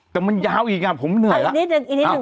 แต่มันยาวอีกอ่ะผมเหนื่อยอ่ะอีกนิดหนึ่งอีกนิดหนึ่ง